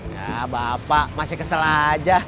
ya bapak masih kesel aja